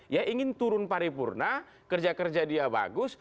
ya ingin turun paripurna kerja kerja dia bagus